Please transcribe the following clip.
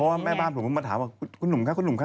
เพราะว่าแม่บ้านผมมาถามว่าคุณหนุ่มคะ